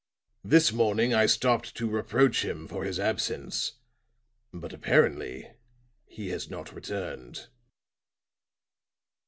This morning I stopped to reproach him for his absence; but apparently he has not returned."